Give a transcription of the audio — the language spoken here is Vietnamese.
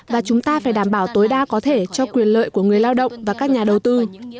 và chúng ta phải đảm bảo tối đa có thể cho quyền lợi của người lao động và các nhà đầu tư